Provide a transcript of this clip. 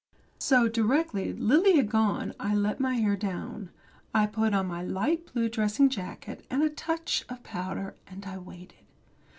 So, directly Lily had gone I let my hair down, and I put on my light blue dressing jacket and a touch of powder, and I waited.